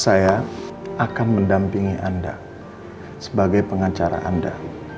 saya akan mendampingi anda sebagai pengacara anda